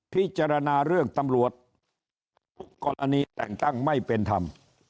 พิจารณาเรื่องตำรวจทุกกรณีแต่งตั้งไม่เป็นธรรม